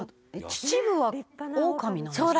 「秩父はオオカミなんですかね？